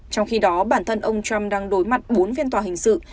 trong khi đó bản thân ông trump đang đối mặt bốn phiên tòa hình sự